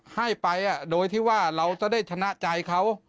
ให้ไปโดยที่ว่าเราจะได้ชนะใจเขา